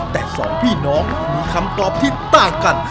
แต่สองพี่น้องมีคำตอบที่ต่างกัน